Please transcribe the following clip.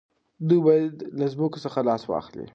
دوی باید له ځمکو څخه لاس واخلي.